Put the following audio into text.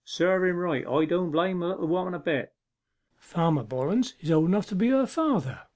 Serve him right. I don't blame the little woman a bit.' 'Farmer Bollens is old enough to be her father!